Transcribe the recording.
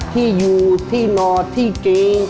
ที่อยู่ที่นอนที่เก๋